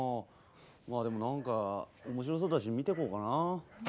まあでも何か面白そうだし見てこうかな。